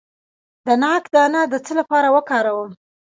د ناک دانه د څه لپاره وکاروم؟